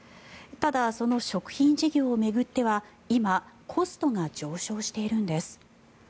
ただ、その食品事業を巡っては今、コストが上昇しているんです。